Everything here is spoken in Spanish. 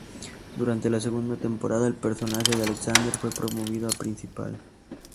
Durante la segunda temporada el personaje de Alexander fue promovido a principal.